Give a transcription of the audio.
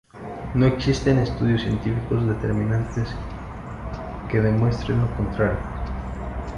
No existen estudios científicos determinantes que demuestren lo contrario.